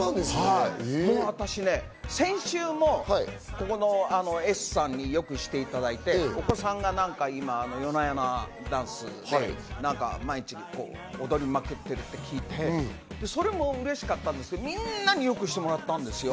私ね、先週もここのＳさんによくしていただいて、お子さんが今『ＹＯＮＡＹＯＮＡＤＡＮＣＥ』を毎日踊りまくっているって聞いてそれもうれしかったんですけど、みんなによくしてもらったんですよ。